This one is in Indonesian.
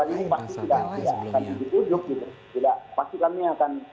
tidak pasti kami akan